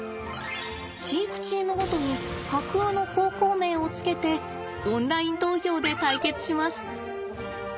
飼育チームごとに架空の高校名をつけてオンライン投票で対決します。